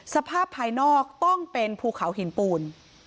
ภายนอกต้องเป็นภูเขาหินปูน